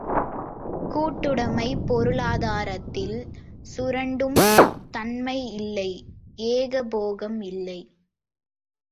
கூட்டுடைமைப் பொருளாதாரத்தில் சுரண்டும் தன்மை இல்லை ஏகபோகம் இல்லை.